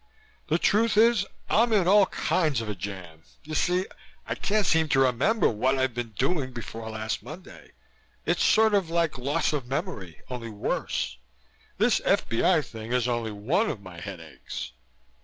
"The truth is I'm in all kinds of a jam. You see, I can't seem to remember what I've been doing before last Monday. It's sort of like loss of memory, only worse. This F.B.I. thing is only one of my headaches."